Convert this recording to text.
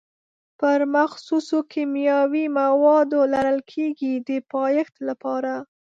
پر مخصوصو کیمیاوي موادو لړل کېږي د پایښت لپاره.